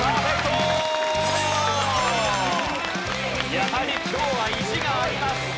やはり今日は意地があります。